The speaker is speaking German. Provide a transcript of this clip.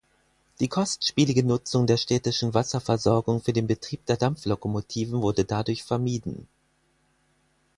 Die kostspielige Nutzung der städtischen Wasserversorgung für den Betrieb der Dampflokomotiven wurde dadurch vermieden.